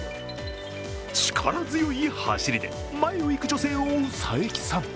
力強い走りで前を行く女性を追う佐伯さん。